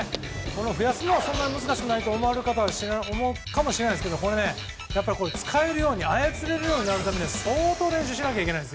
増やすのはそんなに難しくないと思うかもしれないんですけど使えるように操れるようになるには相当練習しなきゃいけない。